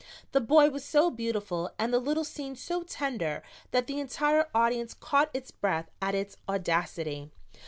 The boy was so beautiful and the little scene so tender that the entire audience caught its breath at its audacity.